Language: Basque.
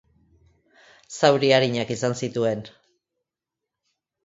Zauri arinak izan zituen.